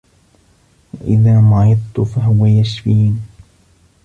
وَإِذا مَرِضتُ فَهُوَ يَشفينِ